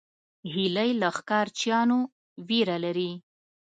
هیلۍ له ښکار چیانو ویره لري